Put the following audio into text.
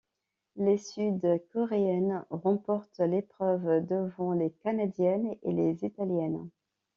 Les Sud-Coréennes remportent l'épreuve devant les Canadiennes et les Italiennes.